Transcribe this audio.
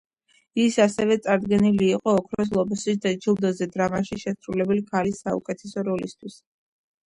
ის ასევე წარდგენილი იყო ოქროს გლობუსის ჯილდოზე დრამაში შესრულებული ქალის საუკეთესო როლისთვის.